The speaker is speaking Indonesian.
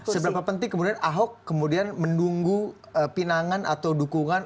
sebeda beda penting kemudian ahok kemudian mendunggu pinangan atau dukungan